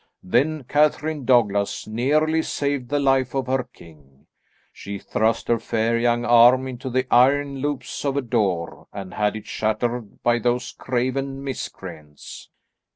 Then Catherine Douglas nearly saved the life of her king. She thrust her fair young arm into the iron loops of a door, and had it shattered by those craven miscreants."